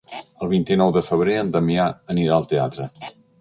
El vint-i-nou de febrer en Damià anirà al teatre.